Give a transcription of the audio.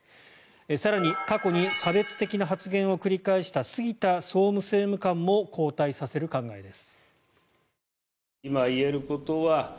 更に、過去に差別的な発言を繰り返した杉田総務政務官も交代させる考えです。